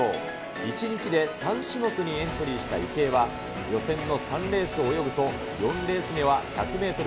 １日で３種目にエントリーした池江は、予選の３レースを泳ぐと、４レース目は１００メートル